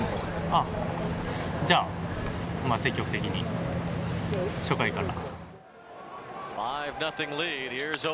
あっ、じゃあ、まあ積極的に初回から。